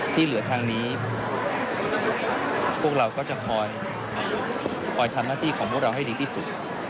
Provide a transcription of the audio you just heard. ที่เหลือทางนี้พวกเราก็จะคอยทำหน้าที่ของพวกเราให้ดีที่สุด